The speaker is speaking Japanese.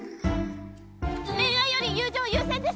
恋愛より友情優先です！